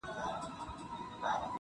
خالقه سترګي د رقیب مي سپېلني کې ورته-